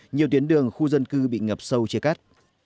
nhiều tuyến đường khu dân cư bị ngập sâu chia cắt